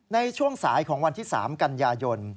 ในช่วงสายของวันที่๓กันยายน